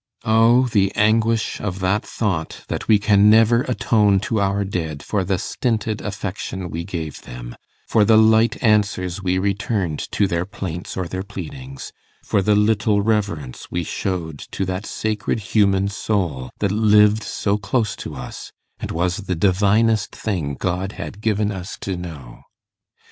O the anguish of that thought that we can never atone to our dead for the stinted affection we gave them, for the light answers we returned to their plaints or their pleadings, for the little reverence we showed to that sacred human soul that lived so close to us, and was the divinest thing God had given us to know.